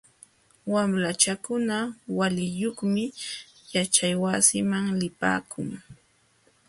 Wamlachakuna waliyuqmi yaćhaywasiman lipaakun.